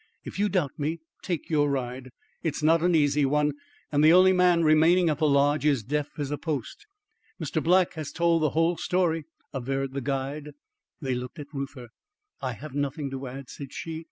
If you doubt me, take your ride. It is not an easy one, and the only man remaining at the Lodge is deaf as a post." "Mr. Black has told the whole story," averred the guide. They looked at Reuther. "I have nothing to add," said she.